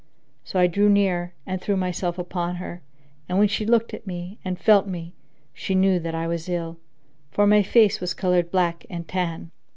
So I drew near and threw myself upon her, and when she looked at me and felt me, she knew that I was ill; for my face was coloured black and tan.